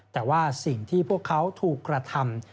แต่ว่าสิ่งที่พวกเขาถูกกระทำ